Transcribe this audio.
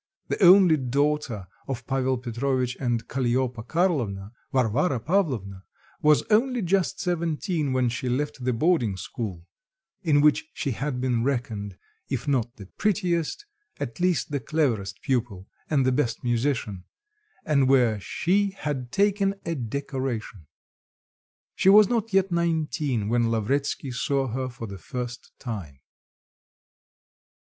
The only daughter of Pavel Petrovitch and Kalliopa Karlovna, Varvara Pavlovna, was only just seventeen when she left the boarding school, in which she had been reckoned, if not the prettiest, at least the cleverest pupil and the best musician, and where she had taken a decoration. She was not yet nineteen, when Lavretsky saw her for the first time.